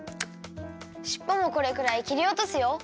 しっぽもこれくらいきりおとすよ。